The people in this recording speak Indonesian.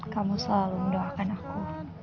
kamu selalu mendoakan aku